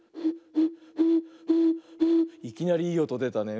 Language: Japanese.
いきなりいいおとでたね。